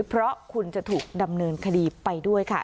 เพราะคุณจะถูกดำเนินคดีไปด้วยค่ะ